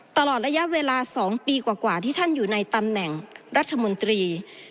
ตลอดระยะเวลา๒ปีกว่าที่ท่านอยู่ในตำแหน่งรัฐมนตรี